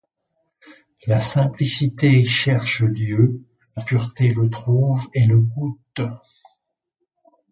La simplicité cherche Dieu, la pureté le trouve et le goûte.